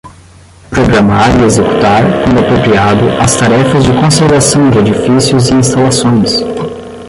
Programar e executar, quando apropriado, as tarefas de conservação de edifícios e instalações.